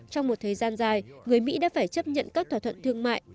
trong một thời gian dài người mỹ đã phải chấp nhận các thỏa thuận thương mại